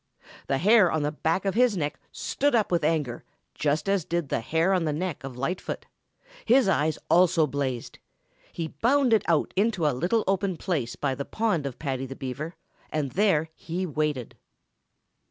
The hair on the back of his neck stood up with anger just as did the hair on the neck of Lightfoot. His eyes also blazed. He bounded out into a little open place by the pond of Paddy the Beaver and there he waited.